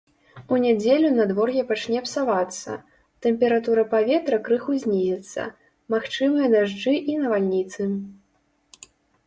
У нядзелю надвор'е пачне псавацца, тэмпература паветра крыху знізіцца, магчымыя дажджы і навальніцы.